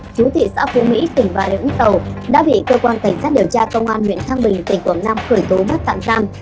chủ tịch xã phú mỹ tỉnh bà điện úc tàu đã bị cơ quan cảnh sát điều tra công an nguyễn thang bình tỉnh quảng nam khởi tố bắt tạm tam